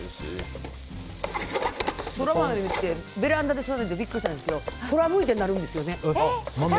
ソラマメってベランダで育ててビックリしたんですけど空向いてなるんですよね。